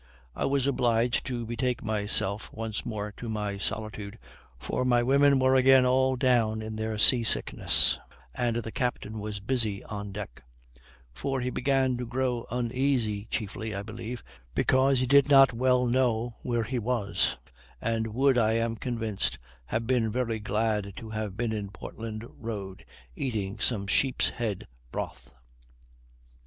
I was obliged to betake myself once more to my solitude, for my women were again all down in their sea sickness, and the captain was busy on deck; for he began to grow uneasy, chiefly, I believe, because he did not well know where he was, and would, I am convinced, have been very glad to have been in Portland road, eating some sheep's head broth.